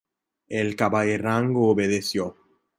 el caballerango obedeció.